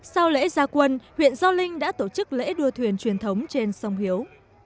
sau lễ gia quân huyện gio linh đã tổ chức lễ đua thuyền truyền thống trên sông hiếu